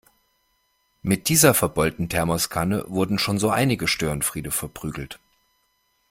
Mit dieser verbeulten Thermoskanne wurden schon so einige Störenfriede verprügelt.